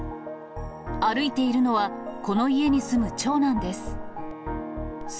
歩いているのは、この家に住む長男です。